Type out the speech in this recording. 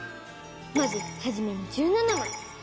まずはじめに１７まい。